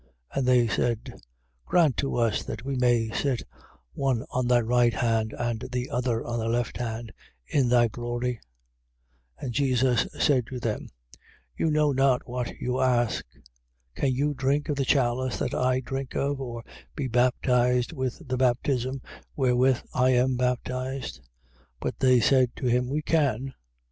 10:37. And they said: Grant to us that we may sit, one on thy right hand and the other on thy left hand, in thy glory. 10:38. And Jesus said to them: You know not what you ask. Can you drink of the chalice that I drink of or be baptized with the baptism wherewith I am baptized? 10:39. But they said to him: We can.